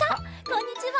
こんにちは！